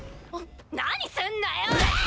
何すんだよ！